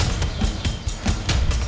jangan lupa tunjukin rupiah miss